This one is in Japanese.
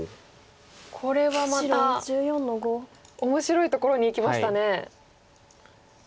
これはまた面白いところにいきましたね。